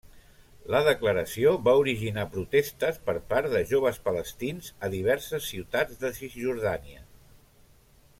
La declaració va originar protestes per part de joves palestins a diverses ciutats de Cisjordània.